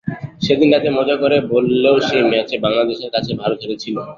সেদিন রাতে মজা করে বললেও সেই ম্যাচে বাংলাদেশের কাছে ভারত হেরেছিল।